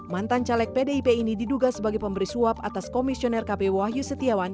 mantan caleg pdip ini diduga sebagai pemberi suap atas komisioner kp wahyu setiawan